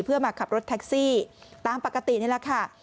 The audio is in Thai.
เพื่อมาขับรถแท็กซี่ตามปกตินี่แหละค่ะ